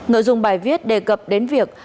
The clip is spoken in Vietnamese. nội dung bài viết đề cập đến việc